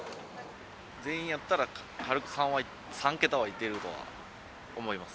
全員やったら軽く３は、３桁はいっているとは思います。